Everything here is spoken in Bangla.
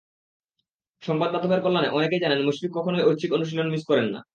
সংবাদমাধ্যমের কল্যাণে অনেকেই জানেন, মুশফিক কখনোই ঐচ্ছিক অনুশীলন মিস করে না।